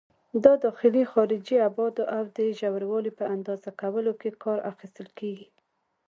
د داخلي، خارجي ابعادو او د ژوروالي په اندازه کولو کې کار اخیستل کېږي.